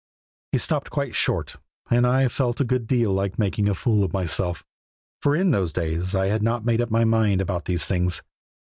He stopped quite short, and I felt a good deal like making a fool of myself, for in those days I had not made up my mind about these things.